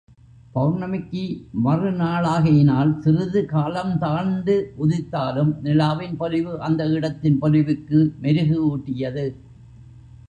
பெளர்ணமிக்கு மறுநாளாகையினால் சிறிது காலந்தாழ்ந்து உதித்தாலும் நிலாவின் பொலிவு அந்த இடத்தின் பொலிவுக்கு மெருகு ஊட்டியது.